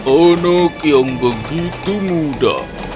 anak yang begitu muda